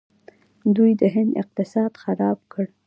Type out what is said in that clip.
دوی د هند اقتصاد خراب کړ.